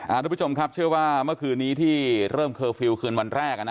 ทุกผู้ชมครับเชื่อว่าเมื่อคืนนี้ที่เริ่มเคอร์ฟิลล์คืนวันแรก